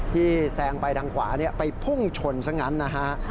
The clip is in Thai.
แซงไปทางขวาไปพุ่งชนซะงั้นนะฮะ